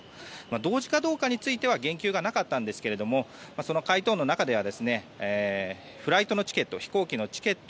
同時かどうかについては言及がなかったんですがその回答の中ではフライトのチケット飛行機のチケット